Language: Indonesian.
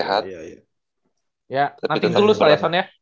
ya nothing tulus lah ya son ya